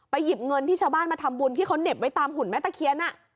หยิบเงินที่ชาวบ้านมาทำบุญที่เขาเหน็บไว้ตามหุ่นแม่ตะเคียน